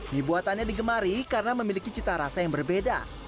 mie buatannya digemari karena memiliki cita rasa yang berbeda